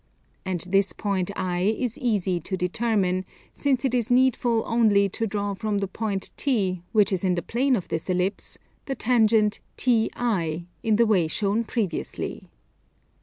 And this point I is easy to determine, since it is needful only to draw from the point T, which is in the plane of this Ellipse, the tangent TI, in the way shown previously.